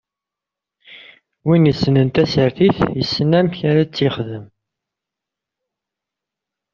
Win yessnen tasertit, yessen amek ara tt-yexdem.